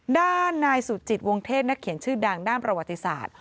ด้านนายสุจิตวงเทศนักเขียนชื่อดังด้านประวัติศาสตร์